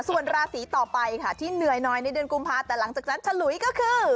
ส่วนราศีต่อไปค่ะที่เหนื่อยน้อยในเดือนกุมภาแต่หลังจากนั้นฉลุยก็คือ